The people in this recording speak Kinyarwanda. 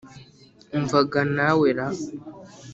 Umva ga nawe ra